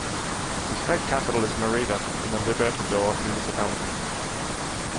The state capital is Mérida, in the Libertador Municipality.